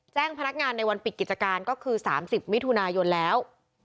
พนักงานในวันปิดกิจการก็คือ๓๐มิถุนายนแล้ว